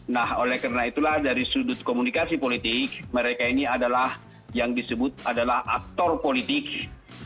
nah oleh karena itulah dari sudut komunikasi politik mereka ini adalah yang disebut adalah aktor politik yang memang segala tingkah laku